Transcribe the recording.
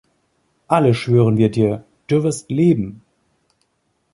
Alle schwören wir dir: Du wirst leben!